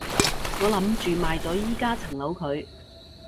我諗住賣咗依加層樓佢